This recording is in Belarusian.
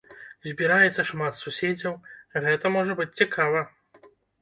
Збіраецца шмат суседзяў, гэта можа быць цікава.